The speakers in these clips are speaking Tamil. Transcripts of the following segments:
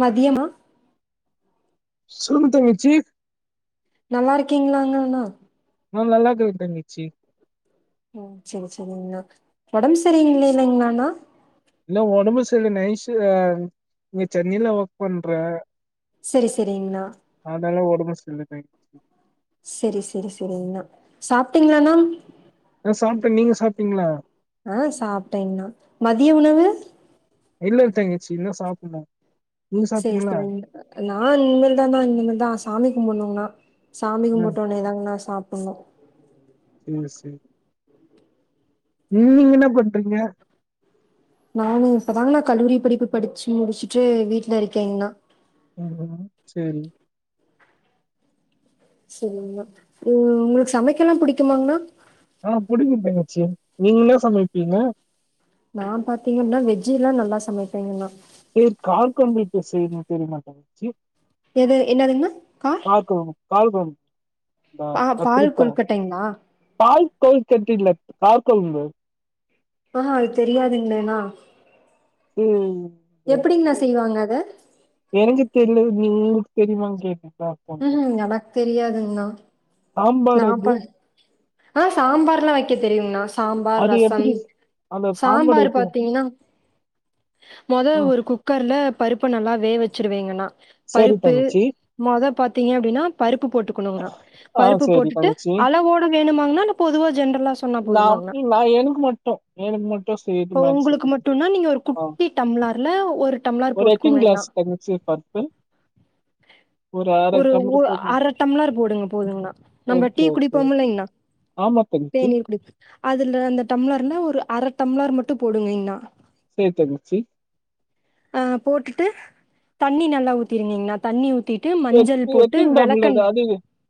மதியமா சொல்லுத்தங்கச்சி நல்லா இருக்கீங்களாங்கண்ணா நா நல்லா க இரு தங்கச்சி ம் சரி சரிங்கா உடம்பு சரியங்கள இல்லலைங்களாண்ணா இல்ல உடம்பு சல்ல நைஷ் இங்க சென்னையில ஒர்க் பண்ற சரி சரிங்கண்ணா என்ன சொல்லது சரி சரி சரிங்கண்ணா சாப்டீங்களானா சாப்டேன் நீங்க சாப்டீங்களா அஹ் சாப்டேன்னா மதிய உணவு இல்ல தங்கச்சி இன்னும் சாப்ல சரி சரி நா இனிமேல் தான் தான் இனிமல் தான் சாமி கும்பனும் நா சாமி ஆ கும்ட உன்னனே தாங்க ந சாப் உண்ணோ என்ன செய் நீ இங்க என்ன பண்றீங்க நானு இப்பதாங்க அண்ணா நா கல்லூரி படிப்பு படிச்சு முடிச்சுட்டு வீட்டுல இருக்கேங்னா ஹம் சேரி சேரிங்னா உ உங்களுக்கு சமைக்கல்லா புடிக்குமாங்கண்ணா ஆஹ் புடிக்க தங்கச்சி நீங்க என்ன சமைப்பீங்க நா பாத்தீங்கன்னா வெஜ்ஜி எல்லா நல்லா சமைப்பேங்னா சேரி காரகோழம்பு எப்டி சேய்னுன்னு தெரியமா தங்கச்சி எது என்னதுங் கார் காரக்கொழம்பு காரக்கொழம்பு இந்த பா பால் கத்திரிக்கா கொழுக்கட்டைங்களா பால் கொழு கட்டியில்ல கார கொழும்புது ஆஹ் அது தெரியாதுங்களேனா உம் எப்டிங்னா செய்வாங்க அத தெரிலயே உங்ளுக்கு தெரிமான் கேட்ட ம் ஹும் எனக் தெரியாதுங்னா நா சாம்பார் அது ப ஆ சாம்பார்லா வெக்க தெரியுங்னா சாம்பார் அது ரசம் எப்படி அந்த சாம்பார் எப்படி பாத்தீங்னா மொத ஆ ஒரு குக்கர்ல பருப் ப்ப நல்லா வே வெச்சுருவேங்கனா சரி பருப்பு தங்கச்சி மொத பாத்தீங்க அப்டினா பருப்பு போட்டுக்கணுங்னா ஆ பருப் உப்பு சரி போட்டுட்டு தங்கச்சி அளவோட வேணுமாங்னா பொதுவா ஜென்ரலா சொன்னா நான் போதுமாங்னா நான் எனக்கு மட்டும் எனக்கு மட்டும் செய்யறது மாதிரி உங்களுக்கு சொல்லுங்க மட்டுனா நீங்க ஒரு ஆ குட்டி டம்ளார் ல ஒரு டம்ளார் ஒரு எத்தின் போட்டுக்கோங்கண்ணா க்ளாஸ் தங்கச்சி பருப்பு அரை ஒரு டம்ளர் போதுமா அர டம்ளர் போடுங்க போதுங்கனா நம்ம ஓகே டீ ஓகே குடிப்போம்லைங்கனா ஆமா தங்கச்சி தேனீர் குடிப்ப அதுல அந்த டம்ளர்ல ஒரு அர டம்ளர் மட்டு போடுங்கய்கனா சேர் தங்கச்சி அ போட்டுட்டு தண்ணி நல்லா ஊத்திறிங்கனா தண்ணி ஊத்தி டு மஞ்சள் எத்- போட்டு எத்தனை டம்ளர் அது வெளக்கண் அது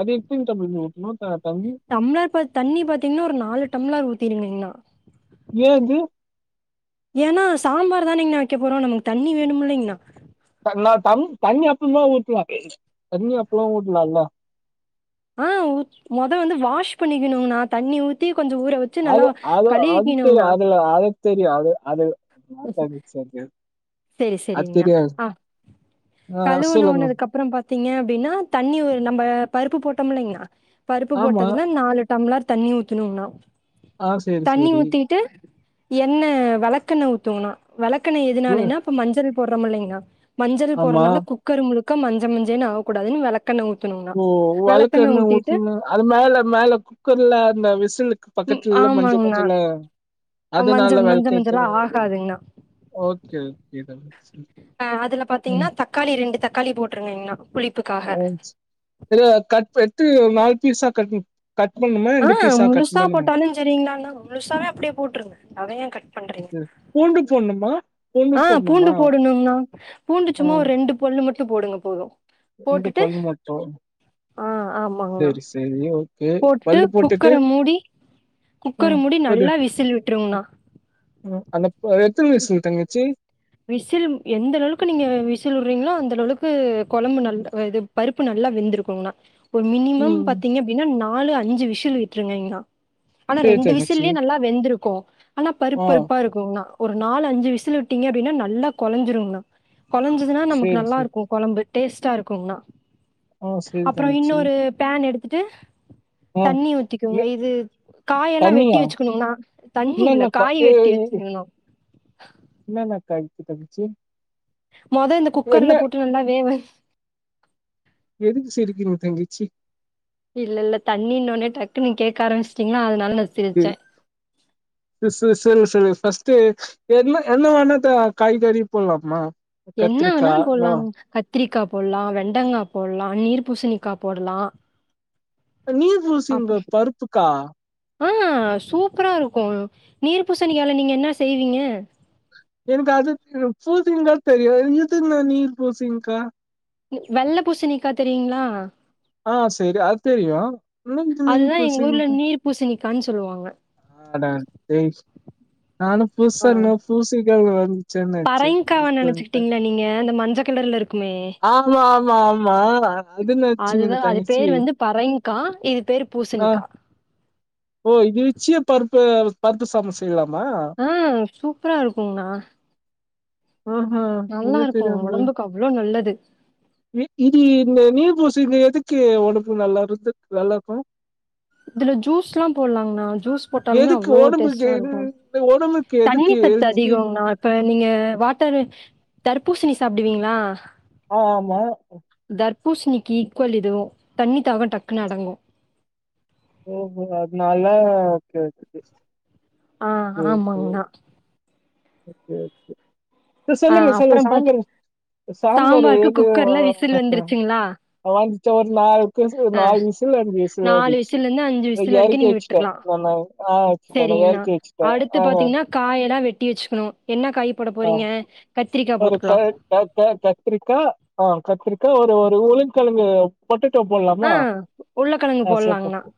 அது எத்தனை டம்ளர் ஊற்றணும் த தண்ணி டம்ளர் பாத் தண்ணி பாத்தீங்னா ஒரு நாலு டம்ளர் ஊத்திருங்கங்னா ஆ ஏ அது என்னா சாம்பார் தானேங்னா வெக்க போறோ நமக்கு தண்ணி வேணும்ல்லைங்கனா நா தண் தண்ணி அப்பறமா ஊத்தலா தண்ணி அப்பறமா ஊத்தலால்ல ஆ ஊத் மொத வந்து வாஷ் பண்ணிக்கணுங்னா தண்ணி ஊத்தி கொஞ்சோ ஊற வச்சு நல்லா அது அது அது தெரியு கழுவிக்கணுங்கண்ணா அதுல தெரியு அது அது [unintelligible] சேரி அது சேரிங்ணா தெரியாது ஆ ஆ, சொல்லுங்க கழவுணோனதுக்கு அப்றோ பாத்தீங்க அப்டின்னா தண்ணி ஒரு நம்ம பருப்பு போட்டோம்லைங்கனா பருப்பு ஆமா போட்டதுல நாலு டம்ளர் தண்ணி ஊத்தனுங்னா ஆ சரி தண்ணி சரி ஊத்திட்டு எண்ண வள ன ஊத்தவனா வெழக்கெண்ண உ- எதுனாலனா மஞ்சள் போடுறோமுல்லைங்கனா மஞ்சள் ஆமா போறனால குக்கர் முழுக் க மஞ்ச மஞ்சேனு ஆவக்கூடாதுனு வெளக் ஓ வெள்கெண்ண ஊத்னா அது மேல மேல குக்கர்ல அந்த விசிலுக்கு ம் பக்கத்துல மஞ்சள் ஆமாங்கண்ணா. மஞ்சலா மஞ்ச அதனால மஞ்ச வெள்க மஞ்சளா [unintelligible] ஆகாதுங்கண்ணா. ஓகே ஓகே டன் ஆ அதுல பாத்திங்னா தக்காளி ரெண்டு தக் காளி போட்ருங்கங்னா [inaudible] கட்டு எத்து நாய் சிறிசா கட்னு ஆஹ் முழுசா போட்டாலுஞ் சேரிங்களானா முழுசாவே அப்டியே போட்ருங்க அத ஏ கட் பண்றிங்க சரி பூண்டு போடணுமா பூண்டு ஆஹ் போடணுமா பூண்டு போடணுன்னா பூண்டு ஆ சும்மா ஒரு ரெண்டு பல்லு மட்டு டு போடுங்க போது ரெண்டு போட்டுட்டு பல் மட்டூ ஆ ஆமாங்ண்ணா சேரி சேரி ஓக் கே போட்டுட்டு பல்லு போட்டுட்டு குக்கர மூடி குக்கர உம் மூடி அது நல்லா விசில் விட்ருங்ண்ணா உம் அனக் எத்தன விசில் தங்கச்சி விசில் எந்த ளளவுக்கு நீங்க விசில் வுட்றீங்ளோ அந்த ளளவுக்கு கொழம்பு நல்ல அ இது பருப்பு நல்லா வெந்திருக்குங்னா ஒரு மினிமம் ம். பாத்தீங்க அப்டின்னா நாலு அஞ்சு விஷ் சுலு விட்ருங்கைங்ணா ஆனா சரி ரெண்டு தங்கச்சி. விசில்லியே நல்லா வெந்ருக்கூ ஆனா ஆ பருப் பருப்பா இருக்குங்ணா ஒரு நாலு அஞ்சு விசிலு விட்டீங்க அப்டினா நல்லா கொலஞ்சுருங்னா. குழஞ்சுதுனா நமக்கு சரி, நல்லா சரி. இருக்கு கொழம்பு டேஸ்ட்டா இருக்குங்ணா. ஆ சரி அப்றோ தங்கச்சி. இன்னோரு பேன் எடுத்துட்டு ஆ தண்ணி ஊத்திக்கோங் அது இது காயெல்லா வெட்டி தண்ணியா? வெச்சுக்கணுங்ண்ணா. தண்ணி இல்ல என்னென்ன காய் வெட்டி வெச்சுக்னு ன்னென்ன காய்க்கு தங்க்ச்சி மொத இந்த குக்கர்ல போட்டு நல்லா வேவை எதுக்கு சிரிக்கிறீங்க தங்கச்சி? இல்ல இல்ல தண்ணின்னொனே டக் டு நீங்கேக்க ஆரம்மிச்ட்டீங்ளா அதனால நா சிரிச்சே உம் ம் சே சேரிங்க சொல்லுங்க ஃபஸ்ட் சேர் என்ன என்ன வேணா தா காய்கறி போட்லாமா என்ன வேணாலு போட்லாங் கத் த்ரிக்கா போட்லா வெண்டங்கா போட்லா நீர்பூசணிக்கா போடலா அஹ் நீர்பூச்ணிக்கா பருப்புக்கா ஆஹ் சூப்பரா இருக்கு நீர்ப்பூசணிக்கால நீங்க என்ன செய்வீங்க எனக்கு அது பூசிணின்தா தெரியு இதென்ன நீர் பூசிணிக்கா வெள்ள பூசணிக்கா தெரியுங்ளா ஆஹ் சேரி அது தெரியு இன்னு [inaudible] கான் சொல்வாங்க ஆஹ் டன் சேரி சே நானு ஆ பூசாம பூசி செல்வது சேர்னா சேர் பரங்கிக்காவ டிஃப்ரெண்ட்டா நெனச்சுக்கிட்டீங்களா நீங்க அந்த மஞ்ச கலர்ல இருக்குமே ஆமா ஆமா ஆமா அதுன்னாச்சு உங்க அதுதான் அது தங்க்ச்சி பேர் வந்து பறைங்கா இது பேர் ஆஹ் பூசணிக்கா ஓ இது வெச்சு பாரு ப்ப பருத்த சாதம் செய்யலாம் ஆஹ் சூப்பரா இருக்குங்கண்ணா ஆஹ் நல்லா ஹஎங்களுக்கு இருக்கும் தெரியாம போயிர் உடம்புக்கு அவ்வளோ நல்லது இது இந்த நீல் பூசி இங்க எதுக் உடம்பு நல்லா இருந்தா நல்லா இருக்கும் இதுல ஜூஸ்லாம் போடலாங்கண்ணா ஜூஸ் போட்டாலுமே எதுக்கு அவ்வளோ டேஸ்டா உடம்புக்கேடு இருக்கும் உடம்புக்கு தண்ணி எதுக்கு சத்து ஏசி அதிகங்கண்ணா இப்ப நீங்க வாட்டரு தர்பூசணி சாப்பிடுவீங்களா ஆ ஆமா தர்பூசணிக்கு ஈக்குவல் இதுவோ தண்ணி தாகம் டக்குனுு அடங்கும் ஓஓ அதுனால [unintelligible] ஆ சர் சர் ஆமாங்கண்ணா ஓகே ஒகே ஆ சொல்லுங்க சொல்லுங்க அப்புறம் சாம்பார் பார்த்து சாம்பார் சாம்பாருக்கு ஏது குக்கர்ல விசில் வந்துருச்சுங்களா வாங்கட்டேன் ஒரு ஆ நாலு வீசுல அஞ்சு விசில் நாலு ஏடிடுச்சு விசில்ல இருந்து அஞ்சு விசில் வரைக்கும் இறக்கி நீங்க வச்சுட்டேன் விட்டுறலாம் ந ஆஹ் வச்சிட்டேன் நா சரிங்கண்ணா. இறக்கி வச்சிட்டேன் ஆமாஆமா பீச்சுக்கணும் என்ன காய்ப்போட போறீங்கே ஒரு கை க க கத்திரிக்கா ஆஹ் கத்திரி ஒரு ஒரு உள்ளங்கிழங்கு ஆஹ் உள்ளக்கிழங்கு ஆ சரி போடலாங்கண்ணா போ-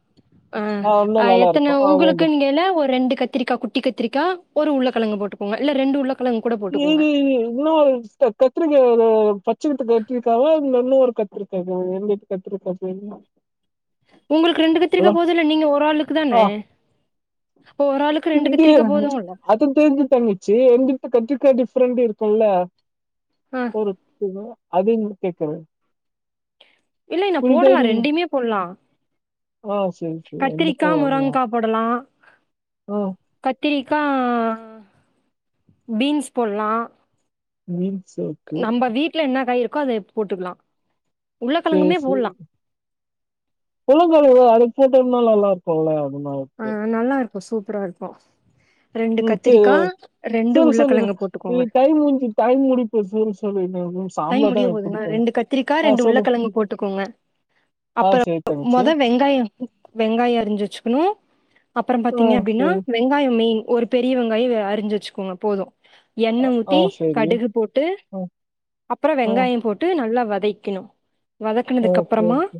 ஆ இன்னும் நல்லா அஹ்்எத்தன இருக்கும் ஆ உங்களுக்கு வேண்டாம் நீங்களே ஒரு ரெண்டு கத்திரிக்கா குட்டி கத்திரிக்கா ஒரு உள்ள கலங்க போட்டுக்கோங்க இல்ல ரெண்டு உள்ளக் இது இ இன்னா கத்திரிக்காவே பச்சை நெறத்துக்கு வெட்டி இருக்காங்களா இல்ல இன்னொரு கத்திரிக்காவா எந்த கத்திரிக்கா [unintelligible] உங்களுக்கு ரெண்டு கத்திரிக்கா போதும்ல நீங்க ஒரு ஆளுக்கு ஆ தானே இப்போ ஒரு ஆளுக்கு இது கத்திரிக்காய் போதும்ல? அது தெரிஞ்சி தங்கச்சி என்கிட்ட கத்திரிக்கா டிஃபரண்டா இருக் தொல்ல ஆ ஒரு பிள்ள அது என்ன தேக்கிற இல்ல இல்ல போடலாம் ரெண்டையுமே போடலாம் ஆ சரி சரி அந்த கத்திரிக்கா பழம் வரலாம் முருங்கா போடலாம் ஆ கத்திரி கா பீன்ஸ் போடலா [unintelligible] நம்ம வீட்ல என்ன காய் இருக் உட்காரு எடுத்து போட்டுக்கலாம் சேரி உருளைக்கிழங்குமே போடலாம். சேரி உள்ளக்கெழங்கு அதுல போட்டோம்னா நல்லாருக் குல்ல என்னாச்சு கு சூப்பரா இருக்கு ரெண்டு உம் சேரி கத்திரிக்கா ரெண்டு சேரி சொல்லுங்க உருளக்கெழங்கு போட்டுக்கோங்க உம் டைம் முடிஞ்ச்சு டைம் முடியப்போது சேரி தெர்லைங் டைம் முடிய போதுங்க ரெண்டு கத்திரிக்கா ஆ ரெண்டு சொல்லு உள்ளகெழங்கு போட்டுக்கோங்க ஆ அப்ற சரி தங்கச்சி மொத வெங்காய வெங்காய அரிஞ்சு வச்சுக்கணு அப்பற ஆ பாத்தீங்க அப்டினா சரி வெங்காய மெய்ன் ஒரு பெரிய வெங்காய அ அரிஞ்சு வச்சுக்கோங்க போது ஆ எண்ணெ ஆ, ஊத்தி சரி கடுகு போட்டு ஆ அப்பற ஆ வெங்காயம் போட்டு நல்லா வதைக்கணு வதக்குனதுக்கு ஓகே அப்பறமா ஓகே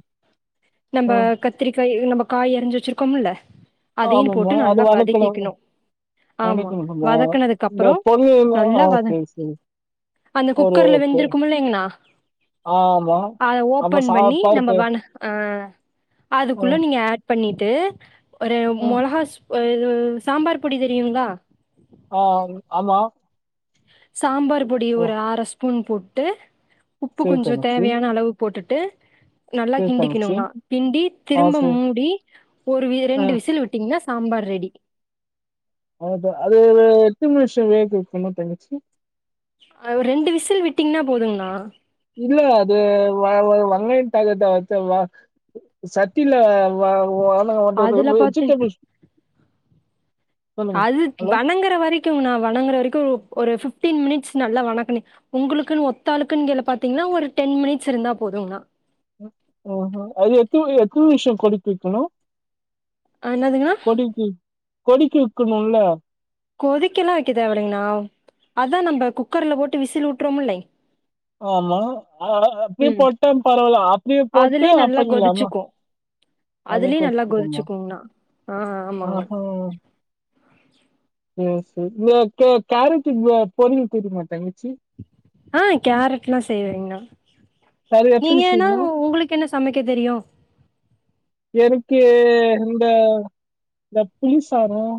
நம்ப ஆ கத்திரிக்காய் இது நம்ப காய் அரிஞ்சு வச்சிருக்கோம்ல அதையு ஆமமா போட்டு அது நல்லா வணக்கலாமா வதக்கிக்கணு ஆமா வணக்கணு கொஞ்ச வதக்குனதுக்கு இந்த அப்பறோ தொன்னையெல்லா நல்லா வத சேரி சேரி ஒரு கொ டிங்ளா அத ஆமா ஓப்பன் சா பண்ணி நம்ப பருப்பு வணக் ஆஹ் ஆ அதுக்குள்ள நீங்க ஆட் பண்ணிட்டு ஒரு ஆ மொலகாஸ் உ சாம்பார் பொடி தெரியுங்ளா ஆஹ் ஆமா சாம்பாரு பொடி ஹலோ ஒரு ஆர ஸ்பூன் புட்டு உப்பு சரி கொஞ்சம் தங்கச்சி தேவையான அளவு போட்டுட் ட்டு நல்லா சரி தங்கச்சி கிண்டிக்கணும்னா கிண்டி ஆ திரும்ப சரி மூடி ஒரு ஆ ரெண்டு விசில் விட்டீங்கன்னா சாம்பார் ரெடி வே கொண தங்கச்சு ரெண்டு விசல் விட்டீங்கன்னா போதுங்கன இல்ல அது வங்க வெங்கா எகுது சட்டில வா வா அதுல பாத்தே சொல்லுங்க அது ஹலோ வணங்குற வரைக்கும் நா வணங்குற வரைக்கும் ஒரு பிப்டீன் மினிட்ஸ் நல்லா வணக்கண உங்களுக்குன்னு ஒத்தாளுக்குன்னு க பாத்தீங்கன்னா ஒரு டென் மினிட்ஸ் இருந்தா போதும்னா ஹ அது எத்த எத்தன நிமிஷம் கொதிக்கவைக்கணும் அஹ் என்னதுங்க நா கொடிக்கு வக்கணும்ல கொதிக்க எல்லாம் வைக்க தேவை இல்லன்னா அதா நம்ம குக்கர்ல போட்டு விசில் விட்டுறோம்லலை ஆமா அப்படி போட்டு பரவால அப்படிய போட்டு அதுலயே ஆஃப் நல்லா பண்ணிலாமா கொதிச்சுக்கு அதுலயே நல்லா அதுகோசம் கொதிச்சுக்குங்கண்ணா ஆமாங்கண்ணா ஆஹ ஆ [inaudible] [unintelligible] காரெட் பொரியல் தெரியுமா தங்க ஆஹ் கேரட்ல்லாம் செய்வேங்கண்ணா அது எப்படி நீங்க அண்ணா செய்யணும்? உங்களுக்கு என்ன சமைக்க தெரியும் எனக்கு ஏ இந்த இந்த புலிசாதம்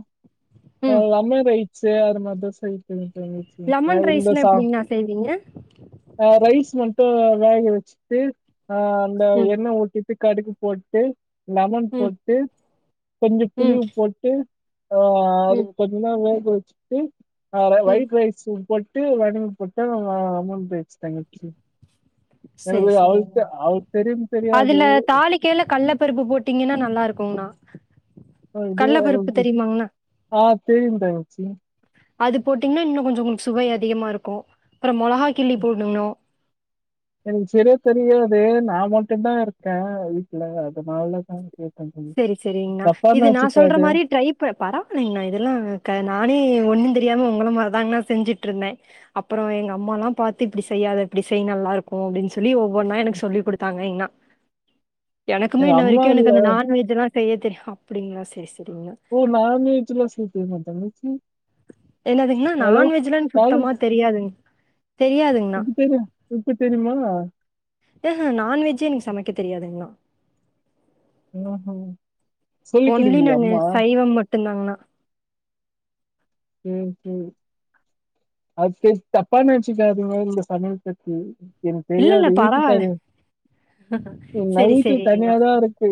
ஆஹ ம் லெம ரைஸ் ஸ்ஏ அது மாதிரி தா செய்ய தெரியும் லெமன் சரி இந்த ரைஸ்லா சாதம் எப்டிங்கண்ணா செய்வீங்க ரைஸ் வேக வச்சுட்டு ஆஹ் அந்த ம் என்ன ஊத்திட்டு கடுகு போட்டு லெமன் ம் போட்டு கொஞ்சம் ம் புளியும் போட்டு ஆ ம் கொஞ்ச நேர வே கோச்சுட்டு ஆஹ் ம் வைட் ரைஸ் உப்பு விட்டு வடக போட்டா முடிச்சு தங்கச்சி சரி எனக்கு அவளுக்கு சரிங்ண்ணா அவளுக்கு தெரியும் தெரியாது அதுல தாலிக்கைல கள்ள பருப்பு போட்டீங்கன்ணனா நல்லா இருக்குங்கண்ணா ஆ இது கல்லப்பருப்பு தெரியுமாங்கண்ணா ஆ செரிங்க தங்கச்சி அது போட்டீங்கன்னா இன்னும் கொஞ்சம் சுவை அதிகமா இருக்கும் அப்புறம் மொளகா கிள்ளி போடணும் எனக்கு சரியா தெரியாது நான் மட்டும்தான் இருக்கே வீட்ல அதனாலதான் கேக் சரி சரிங்கண்ணா இது நான் சொல்ற மாதிரி ட்ரை பரவலேங்கண்ணா இதெல்லாம் நானே ஒண்ணு தெரி தெரியாம உங்கள மாதிரி தாங்கணா செஞ்சுட்டு இருந்தேன் அப்புறம் எங்க அம்ம எல்லாம் பார்த்து இப்படி செய்யாத இப்படி செய் நல்லா இருக்கும் அப்படின்னு சொல்லி ஒவ்வொன்னா எனக்கு சொல்லி கொடுத்தாங்க அண்ணா எனக்குமே எங்க இன்ன அம்மா வரைக்கும் எனக்கு இல்ல அந்த நான் இதெல்லாம் செய்ய தெரியும் அப்படிங்களா சரி சரி ஓ நான் நீச்சல்லான் சேர்த்துடனுமா தங்கச்சி என்னதுங்கண்ணா ஹலோ நான்வெஜ்லாம் நானும் சுத்தமா தெரியாது தெரியாதுங்கண்ணா ஆ ஏஹஹ நான்வெஜ்ஜே எனக்கு சமைக்க தெரியாதுங்கண்ணா ம் ஒன்லி நானு சைவம் மட் டு ந்தாங்கனா சேரி சேரி அது தப்பா நினைச்சிக்காதிங்கோ இந்த சமையல் பத்தி எனக்கு இல்ல இல்ல தெரியாது பரவால்ல. வீட்டு [unintelligible] சரி நைட்டு சரிங்கண்ணா. தனியாதான் இருக்கு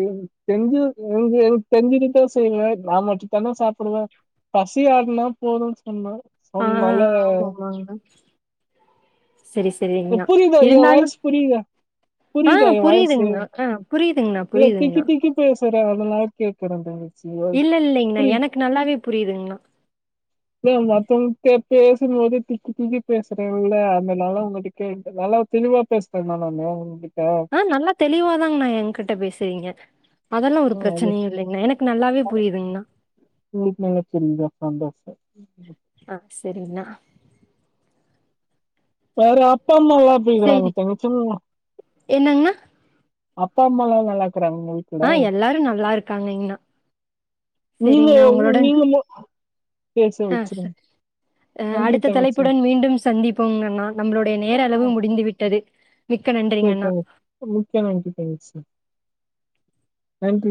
செஞ்சு எங்க எங்க தெஞ்சுட்டுதான் செய்வேன் நான் மட்டும்த்தானே சாப்பிடுவேன் பசி ஆடினா போனோஸ் நம்பர் ஆ சொண் நால ஆமாமாங்கண்ணா. சரி சரிங்கண்ணா புரியுதா என் இருந்தாலும் வாய்ஸ் புரியுதா ஆ புரியுதா என் வாய்ஸ் புரியுதுங்கண்ணா ஆ புரியுதுங்கண்ணா புரியுதுங்கண்ணா சரி அதநால்ல கேக்கறன் தாயி இல்ல இல்லலைங்கண்ணா எனக்கு நல்லாவே புரியுதுங்கண்ணா இ மத்தவங்கிட்ட பேசும்போது தக்குி திக்கி பேசுறேன்ல்ல அந்தனால உங்கிட்ட கேன் நல்லா தெளிவா பேசுறேன் நான் உங்க ஆ நல்லா தெளிவாதாங்க நா எ்கிட்ட பேசுறீங்க அதெல்லாம் ஒரு பிரச்சனையும் இல்லைங்கண்ணா எனக்கு நல்லாவே புரியுதுங்கண்ணா உங்களுக்கு நல்லா தெரியுதா ஃப்ரெண்ட் ஆஃப் ஆ சரிண்ணா வேற [unintelligible] அப்பா அம்மா லாம் எப்படி இருக்காங்க சரி தங்கச்சி என்னங்கண்ணா? அப்பா அம்மா லாம் நல்லா இருக் ங்கலா ஆ வீட்ல எல்லாரும் நல்லா இருக்காங்கங்கண்ணா. நீங்க சரிங்கண்ணா உங்களுடன் நீங்க பேச ஆ வச்சிருங்க சரி நன்றி அடுத்த தங்கச்சி தலைப்புடன் மீண்டும் சந்திப் பூங்க நா நம்மளுடைய நேர அளவு முடிந்து விட்டது மிக்க நன்றிங்கண்ணா. [unintelligible] நன்றி